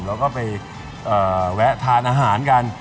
แล้วก็ไปแวะทานอาหารกัน